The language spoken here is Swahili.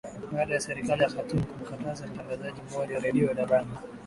baada ya serikali ya khartum kumkamata mtangazaji mmoja wa redio dabanga